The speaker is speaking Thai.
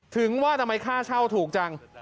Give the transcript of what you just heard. ถึงว่าทำไมค่าเช่าถูกจัง